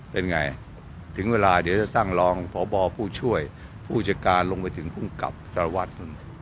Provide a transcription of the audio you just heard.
เป็นไงถึงเวลาเดี๋ยวจะตั้งรองพบผู้ช่วยผู้จัดการลงไปถึงภูมิกับสารวัตร